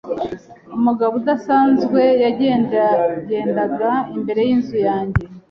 Umugabo udasanzwe yagendagendaga imbere yinzu yanjye.